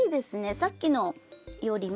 さっきのよりも。